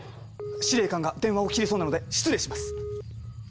司令官が電話を切りそうなので失礼します！